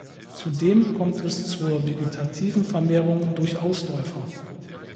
Zudem kommt es zur vegetativen Vermehrung durch Ausläufer.